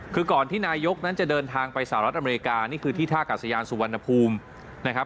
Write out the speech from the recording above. คือก่อนที่นายกนั้นจะเดินทางไปสหรัฐอเมริกานี่คือที่ท่ากาศยานสุวรรณภูมินะครับ